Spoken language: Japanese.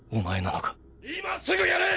今すぐやれ！！